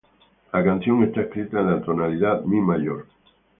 La canción está escrita en la tonalidad "mi" mayor.